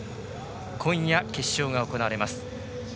今夜、決勝が行われます。